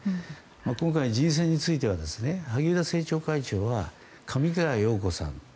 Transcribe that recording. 今回の人選については萩生田政調会長は上川陽子さん